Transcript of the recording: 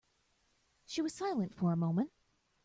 She was silent for a moment.